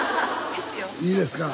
いいですか？